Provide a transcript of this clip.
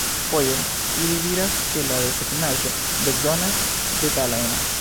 Foje, ili diras ke la desegnaĵo bezonas detalojn.